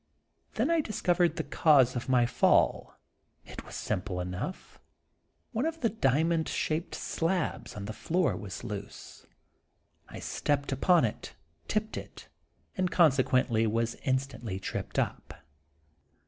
Then I discovered the cause of my fall. It was simple enough. One of the diamond shaped slabs in the floor ing was loose ; I stepped upon it, tipped it, and consequently was instantly tripped up.